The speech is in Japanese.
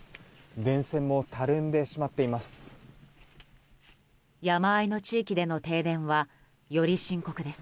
電線もたるんでしまっています。